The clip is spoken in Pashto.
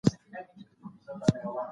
ټولنیز ژوند د اسلامي ارزښتونو برخه دی.